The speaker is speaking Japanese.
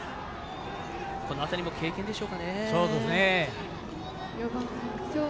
この辺りも経験でしょうかね。